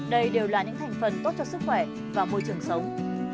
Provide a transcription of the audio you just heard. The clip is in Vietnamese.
đây đều là những thành phần tốt cho sức khỏe và môi trường sống